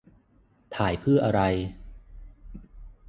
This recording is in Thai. - ถ่ายเพื่ออะไร